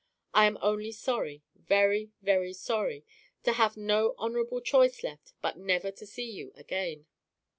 I am only sorry very, very sorry to have no honorable choice left but never to see you again.